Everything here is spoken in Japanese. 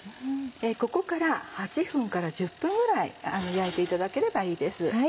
ここから８分から１０分ぐらい焼いていただければいいです。